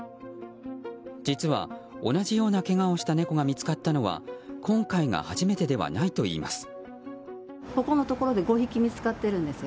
実は、同じようなけがをした猫が見つかったのは今回が初めてではないといいます。